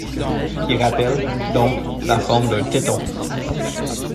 Qui rappelle, donc, la forme d'un téton.